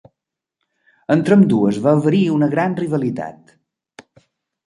Entre ambdues va haver-hi una gran rivalitat.